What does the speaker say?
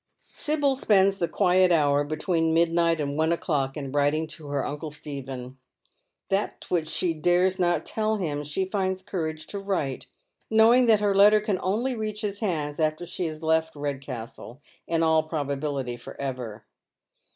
Sibyl spends the quiet hour between midnight and one o'clock in writing to her uncle Stephen. That which she daires not tell him she finds courage to write, knowing that her letter can only reach his hands after she has left Redwstle, in all probability for ever.